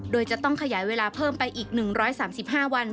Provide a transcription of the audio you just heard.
โดยจะต้องขยายเวลาเพิ่มไปอีก๑๓๕วัน